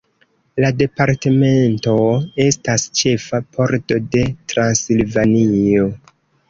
La departamento estas ĉefa pordo de Transilvanio.